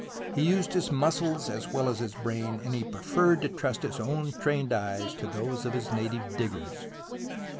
He used his muscles as well as his brain, and he preferred to trust his own trained eyes to those of his native diggers.